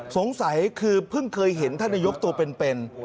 สงสัยคือเพิ่งเคยเห็นท่านนายกตัวเป็น